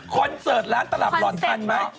คอนเซิร์ตร้านตลับรอดทันไหม